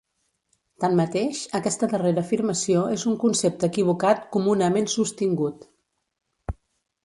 Tanmateix, aquesta darrera afirmació és un concepte equivocat comunament sostingut.